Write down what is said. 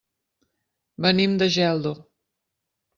Venim de Geldo.